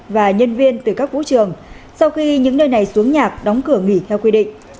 và nhân viên từ các vũ trường sau khi những nơi này xuống nhạc đóng cửa nghỉ theo quy định